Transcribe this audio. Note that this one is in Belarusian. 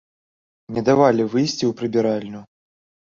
Не давалі выйсці ў прыбіральню.